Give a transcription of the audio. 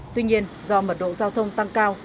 tuy nhiên do mật độ giao thông tăng cao